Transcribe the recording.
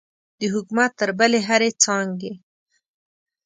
د حکومت تر بلې هرې څانګې.